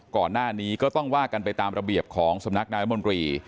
ก่อนหน้านี้ก็ต้องว่ากันไปตามระเบียบของสำนักนายรัฐมนตรี